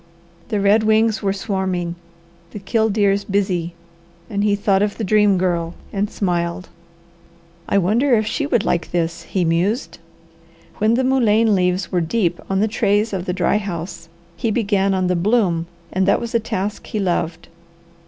The red wings were swarming, the killdeers busy, and he thought of the Dream Girl and smiled. "I wonder if she would like this," he mused. When the mullein leaves were deep on the trays of the dry house he began on the bloom and that was a task he loved.